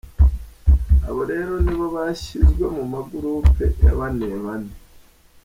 Abo rero nibo bashyizwe mu ma groupes ya bane bane.